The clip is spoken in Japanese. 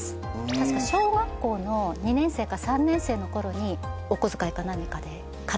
確か小学校の２年生か３年生のころにお小遣いか何かで買ったんですね。